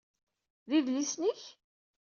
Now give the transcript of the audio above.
D idlisen-ik?